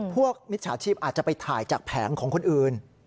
มิจฉาชีพอาจจะไปถ่ายจากแผงของคนอื่น